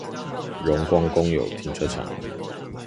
榮光公有停車場